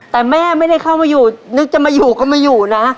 แต่แม่ไม่ได้เข้ามาอยู่นึกจะมาอยู่ก็ไม่อยู่นะ